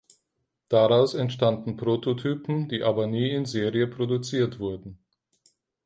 Daraus entstanden Prototypen, die aber nie in Serie produziert wurden.